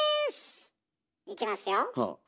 いきますよ。